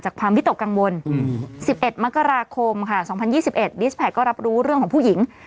ความวิตกกังวล๑๑มกราคมค่ะ๒๐๒๑ดิสแท็กก็รับรู้เรื่องของผู้หญิง